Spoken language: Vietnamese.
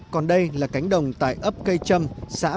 còn đây là cánh đồng tại ấp cây trâm xã